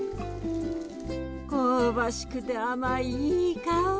香ばしくて甘いいい香り。